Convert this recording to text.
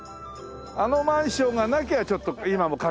あのマンションがなきゃちょっと今も描けるな。